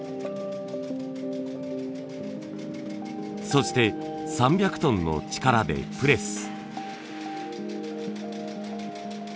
そして３００トンの力でプレス。